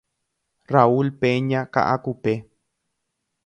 Raúl Peña Kaʼakupe.